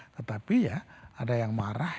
tetapi ya ada yang marah